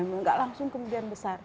enggak langsung kemudian besar